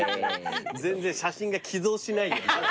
全然写真が起動しないよ。